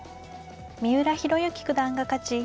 三浦弘行九段が勝ち